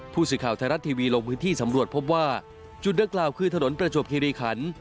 ผู้สื่อข่าวไทยรัฐทีวีลงพื้นที่สำรวจพบว่าจุดดังกล่าวคือถนนประจวบคิริขัน